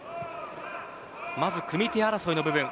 まず組み手争いの部分。